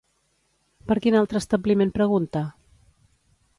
Per quin altre establiment pregunta?